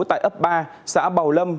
tại ấp ba xã bào lâm